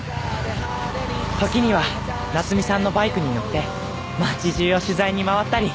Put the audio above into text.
時には夏美さんのバイクに乗って街中を取材に回ったり